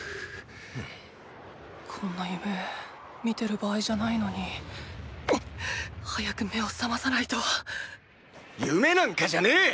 こんな夢見てる場合じゃないのに。！早く目を覚まさないと夢なんかじゃねェッ！！